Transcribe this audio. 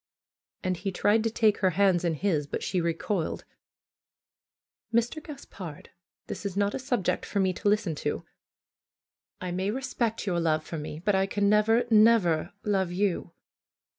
And he tried to take her hands in his, but she recoiled. "Mr. Gaspard, this is not a subject for me to listen FAITH to. I may respect your love for me; but I can never, never love you.